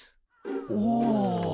おお。